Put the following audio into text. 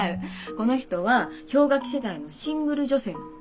この人は氷河期世代のシングル女性なの。